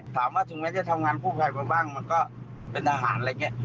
ถามว่าถึงไม่ได้ทำงานผู้แพร่บางมันก็เป็นอาหารอะไรอย่างนี้